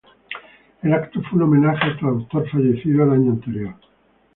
El acto fue un homenaje al traductor, fallecido el año anterior.